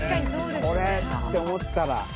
これって思ったら。